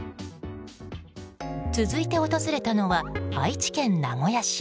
続いて訪れたのは愛知県名古屋市。